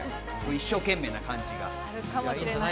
一生懸命な感じが。